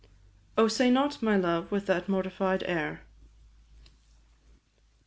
OH, SAY NOT, MY LOVE, WITH THAT MORTIFIED AIR.